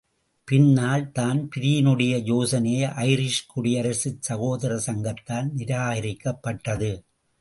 பின்னால் தான்பிரீனுடைய யோசனை ஐரிஷ் குடியரசுச் சகோதர சங்கத்தால் நிராகரிக்கபட்டது.